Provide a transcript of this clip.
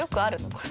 これ。